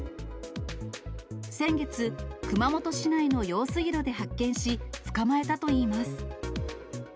先月、熊本市内の用水路で発見し、捕まえたといいます。